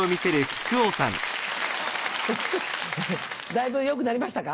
だいぶ良くなりましたか？